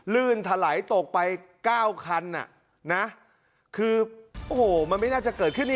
ลื่นถลายตกไปเก้าคันอ่ะนะคือโอ้โหมันไม่น่าจะเกิดขึ้นนี่